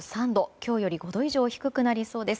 今日より５度以上低くなりそうです。